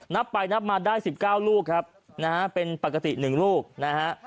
นับไปนับมาได้๑๙ลูกครับนะฮะเป็นปกติ๑ลูกนะฮะ